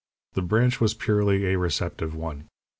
The branch was purely a receptive one.